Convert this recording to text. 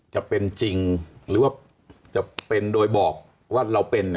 จะเป็นจริงหรือว่าจะเป็นโดยบอกว่าเราเป็น